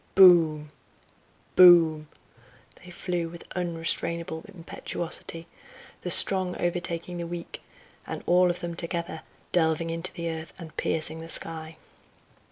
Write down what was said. boom! boom!" they flew with unrestrainable impetuosity, the strong overtaking the weak, and all of them together delving into the earth and piercing the sky.